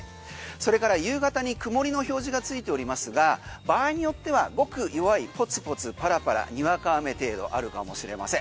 それから夕方に曇りの表示がついておりますが場合によってはごく弱いポツポツパラパラにわか雨程度あるかもしれません。